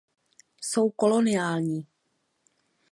Jsou koloniální.